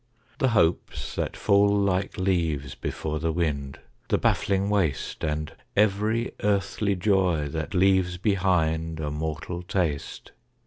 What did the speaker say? The hopes that fall like leaves before the wind, The baffling waste, And every earthly joy that leaves behind A mortal taste.